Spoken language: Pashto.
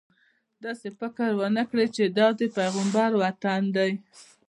داسې فکر ونه کړې چې دا د پیغمبر وطن دی.